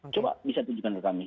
coba bisa tunjukkan ke kami